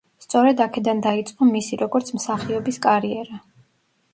სწორედ აქედან დაიწყო მისი, როგორც მსახიობის კარიერა.